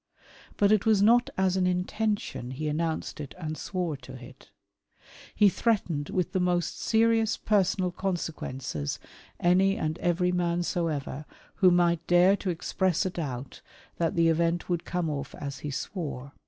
But it was not as an ' intention ' he announced it and swore to it. He threatened with the most serious personal consequences any and every man soever, who might dare to express a doubt that the event would come off as he swore.